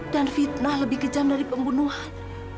dan fitnah lebih kejam dari pembunuhan